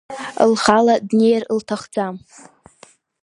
Лхала днеир лҭахӡам.